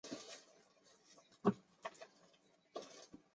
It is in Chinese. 属于第三收费区。